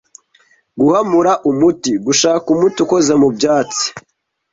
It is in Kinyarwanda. Guhamura umuti: gushaka umuti ukoze mu byatsi